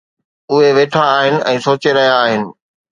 اهي ويٺا آهن ۽ سوچي رهيا آهن